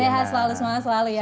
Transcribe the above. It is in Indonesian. sehat selalu semangat selalu ya